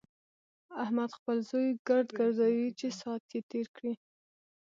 احمد خپل زوی ګرد ګرځوي چې ساعت يې تېر شي.